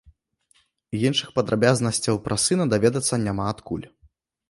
Іншых падрабязнасцяў пра сына даведацца няма адкуль.